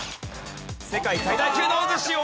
世界最大級の渦潮。